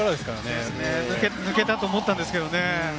抜けたと思ったんですけれどもね。